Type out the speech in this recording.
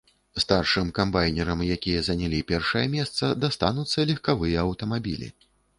Старшым камбайнерам, якія занялі першае месца, дастануцца легкавыя аўтамабілі.